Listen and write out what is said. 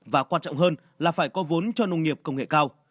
và quan trọng hơn là phải có vốn cho nông nghiệp công nghệ cao